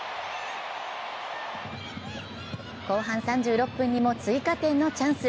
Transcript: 後半３６分にも追加点のチャンス。